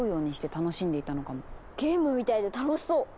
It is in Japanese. ゲームみたいで楽しそう！